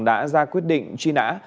đã ra quyết định truy nã